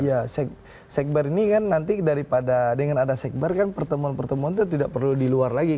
ya sekber ini kan nanti daripada dengan ada sekber kan pertemuan pertemuan itu tidak perlu di luar lagi